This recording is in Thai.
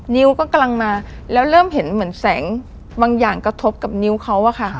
นิ้วก็กำลังมาแล้วเริ่มเห็นเหมือนแสงบางอย่างกระทบกับนิ้วเขาอะค่ะ